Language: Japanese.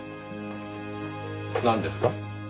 なんですか？